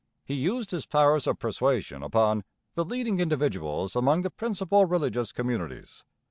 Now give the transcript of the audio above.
He used his powers of persuasion upon 'the leading individuals among the principal religious communities.'